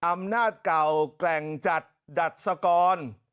อำนาจเก่าแกร่งจัดดัชกร